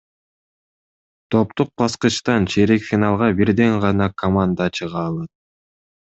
Топтук баскычтан чейрек финалга бирден гана команда чыга алат.